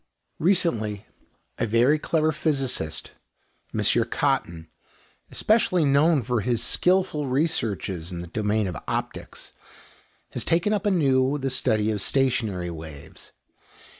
Recently a very clever physicist, M. Cotton, especially known for his skilful researches in the domain of optics, has taken up anew the study of stationary waves.